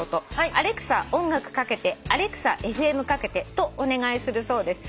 音楽かけてアレクサＦＭかけてとお願いするそうです」